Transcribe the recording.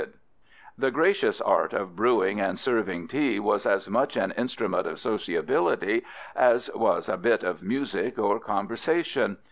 _)] The gracious art of brewing and serving tea was as much an instrument of sociability as was a bit of music or conversation.